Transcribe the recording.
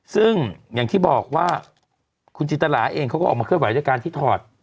ซึ่งอย่างที่บอกว่าคุณจินตราเองเขาก็ออกมาเคลื่อนไหวด้วยการที่ถอด